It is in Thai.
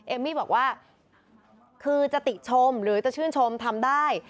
เอมมี่บอกว่าคือจะติชมหรือจะชื่นชมทำได้